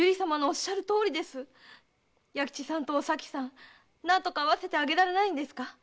弥吉さんとお咲さん何とか会わせてあげられないんですか？